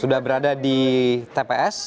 sudah berada di tps